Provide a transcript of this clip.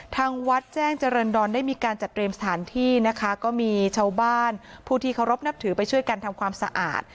ทางวัดแจ้งเจริญดรได้มีการจัดเตรียมสถานที่นะคะก็มีชาวบ้านผู้ที่เคารพนับถือไปช่วยกันทำความสะอาด